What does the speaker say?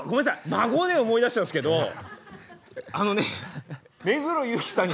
「孫」で思い出したんですけどあのね目黒祐樹さんに。